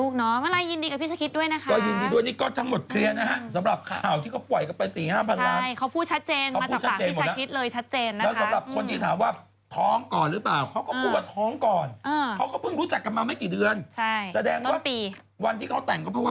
ก็ยินดีด้วยอันนี้ก็จะหมดเคลียร์นะฮะ